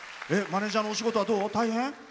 マネージャーのお仕事は大変？